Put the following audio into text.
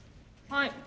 はい。